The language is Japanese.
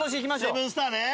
セブンスターね。